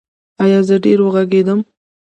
ایا زه ډیر وغږیدم؟